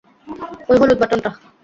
ওই হলুদ বাটনটা।